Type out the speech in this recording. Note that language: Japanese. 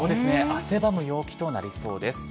汗ばむ陽気となりそうです。